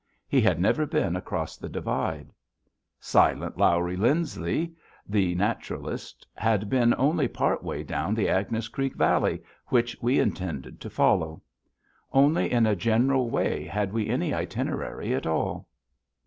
He had never been across the divide. "Silent Lawrie" Lindsley, the naturalist, had been only part way down the Agnes Creek Valley, which we intended to follow. Only in a general way had we any itinerary at all.